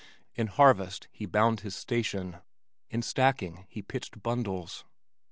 In harvest he bound his station. In stacking he pitched bundles.